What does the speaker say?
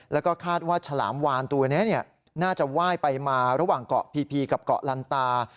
แล้วก็คาดว่าฉลามวานตัวนี้น่าจะไหว้ไปมาระหว่างเกาะพีกับเกาะลันตา